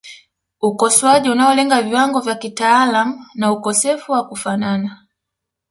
Ukosoaji unaolenga viwango vya kitaalamu na ukosefu wa kufanana